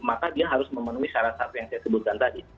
maka dia harus memenuhi syarat satu yang saya sebutkan tadi